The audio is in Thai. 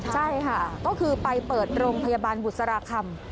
ใช่ค่ะก็คือไปเปิดโรงพยาบาลบุษราคำ